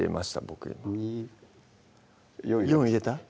僕４入れた？